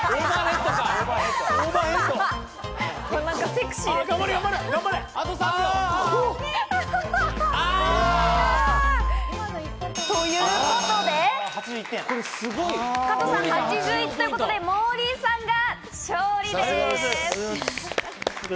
セクシーですね。ということで、加藤さん８１ということでモーリーさんが勝利です。